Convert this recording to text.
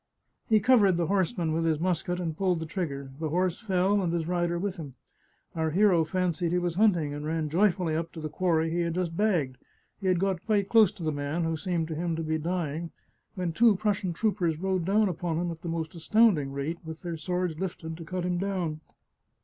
He covered the horseman with his musket, and pulled the trig ger. The horse fell, and his rider with him. Our hero fancied he was hunting, and ran joyfully up to the quarry he had just bagged. He had got quite close to the man, who seemed to him to be dying, when two Prussian troopers rode down upon him at the most astounding rate, with their swords lifted to cut him down.